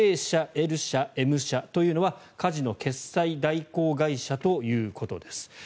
Ａ社、Ｌ社、Ｍ社というのはカジノ決済代行会社ということです。